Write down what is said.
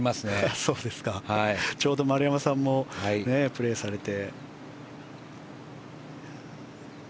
ちょうど丸山さんもプレーされて。